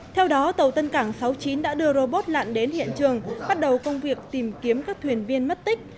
theo đó tàu tân cảng sáu mươi chín đã đưa robot lặn đến hiện trường bắt đầu công việc tìm kiếm các thuyền viên mất tích